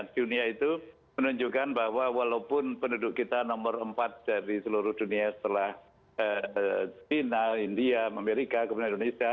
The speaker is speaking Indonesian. dunia itu menunjukkan bahwa walaupun penduduk kita nomor empat dari seluruh dunia setelah china india amerika kemudian indonesia